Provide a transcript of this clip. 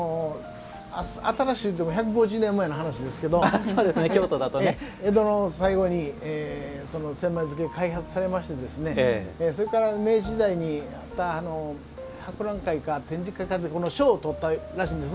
新しいといっても１５０年前の話ですが江戸の最後に、千枚漬が開発されましてそれから、明治時代に博覧会か、展示会かで賞をとったらしいんです。